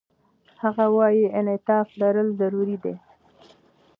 هغه وايي، انعطاف لرل ضروري دي.